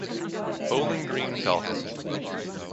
Bowling Green Falcons